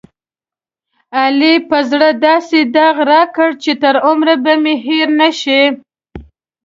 علي په زړه داسې داغ راکړ، چې تر عمره به مې هېر نشي.